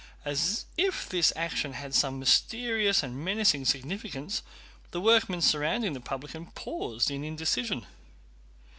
As if this action had some mysterious and menacing significance, the workmen surrounding the publican paused in indecision.